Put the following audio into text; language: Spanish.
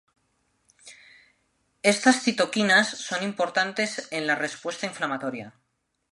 Estas citoquinas son importantes en la respuesta inflamatoria.